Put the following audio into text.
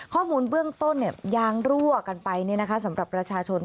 ข้อมูลเบื้องต้นยางรั่วกันไปสำหรับประชาชน